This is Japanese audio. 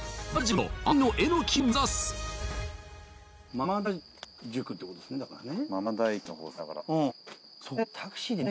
間々田宿ってことですねだからね。